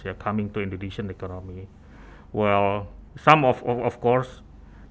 yang datang ke ekonomi indonesia